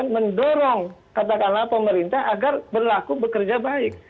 mendorong katakanlah pemerintah agar berlaku bekerja baik